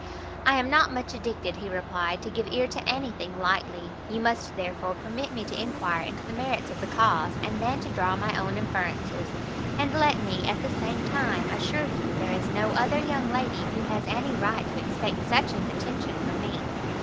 "I am not much addicted," he replied, "to give ear to any thing lightly; you must therefore permit me to enquire into the merits of the cause, and then to draw my own inferences. And let me, at the same time, assure you there is no other young lady who has any right to expect such an attention from me.